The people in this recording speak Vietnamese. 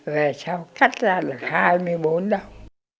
về sau cắt ra là hai mươi bốn đồng